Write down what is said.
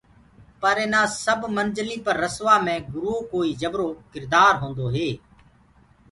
پر اِنآ سب منجليٚ پر رسآوآ مي گُرو ڪوئي جبرو ڪِردآر هوندو هي۔